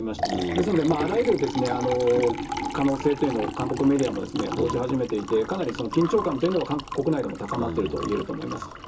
ですので、あらゆる可能性というのを韓国メディアも報じ始めていて、かなり緊張感というのは、韓国国内でも高まっているといえると思います。